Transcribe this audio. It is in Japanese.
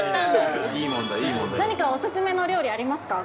何かお勧めの料理ありますか？